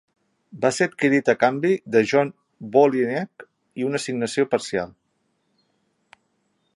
Va ser adquirit a canvi de John Wolyniec i una assignació parcial.